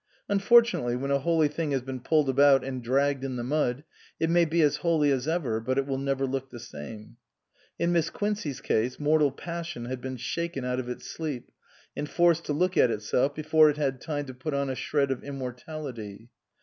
Unfortunately, when a holy thing has been pulled about and dragged in the mud, it may be as holy as ever but it will never look the same. In Miss Quincey's case mortal passion had been shaken out of its sleep and forced to look at itself before it had time to put on a shred of immortality.